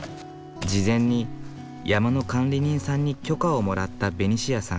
事前に山の管理人さんに許可をもらったベニシアさん。